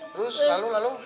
terus lalu lalu